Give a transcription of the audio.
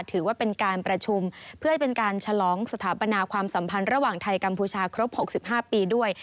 ถือว่าเป็นการประชุมเพื่อให้เป็นการฉลองสถาปนาความสัมพันธ์ระหว่างไทยกัมพูชาครบ๖๕ปีด้วย